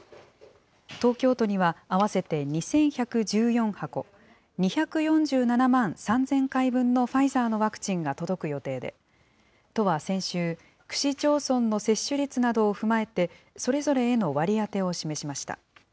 東京都には合わせて２１１４箱、２４７万３０００回分のファイザーのワクチンが届く予定で、都は先週、区市町村の接種率などを踏まえて、それぞれへの割り当てを示しました。